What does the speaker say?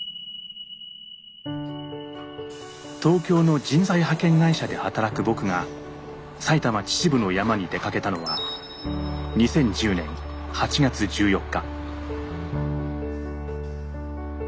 東京の人材派遣会社で働く僕が埼玉・秩父の山に出かけたのは２０１０年８月１４日。